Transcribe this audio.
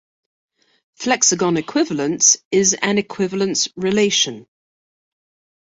Flexagon equivalence is an equivalence relation.